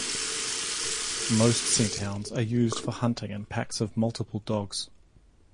Most scent hounds are used for hunting in packs of multiple dogs.